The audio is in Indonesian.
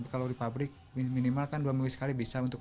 kalau di pabrik minimal dua minggu sekali bisa